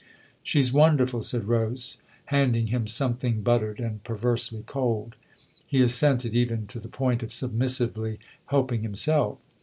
" She's wonderful," said Rose, handing him some thing buttered and perversely cold. He assented even to the point of submissively helping himself.